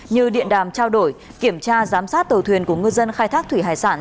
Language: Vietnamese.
như điện đàm trao đổi kiểm tra giám sát tàu thuyền của ngư dân khai thác thủy hải sản